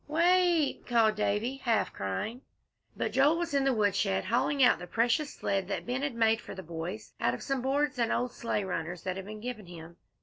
"Wa it," called Davie, half crying. But Joel was in the woodshed, hauling out the precious sled that Ben had made for the boys out of some boards and old sleigh runners that had been given him.